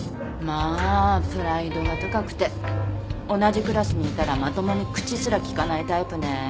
まあプライドが高くて同じクラスにいたらまともに口すら利かないタイプね。